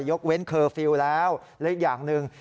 ยกเว้นเคอร์ฟิลล์แล้วและอีกอย่างหนึ่ง